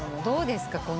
どうですか？